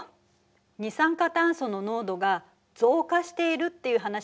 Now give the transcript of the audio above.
二酸化炭素の濃度が増加しているっていう話はこの間もしたよね？